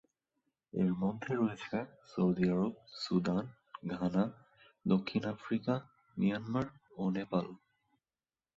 এর মধ্যে রয়েছে সৌদি আরব, সুদান, ঘানা, দক্ষিণ আফ্রিকা, মিয়ানমার, নেপাল।